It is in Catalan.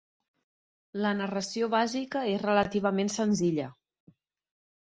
La narració bàsica és relativament senzilla.